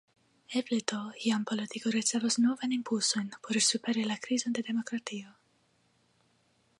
Eble do iam politiko ricevos novajn impulsojn por superi la krizon de demokratio.